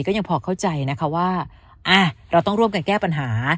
ก็ยังพอเข้าใจนะคะว่าเราต้องร่วมกันแก้ปัญหา